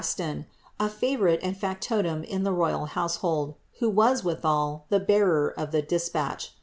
lOTi — a favourite and factotum in the roval household, who was willial the hearer of the despatch.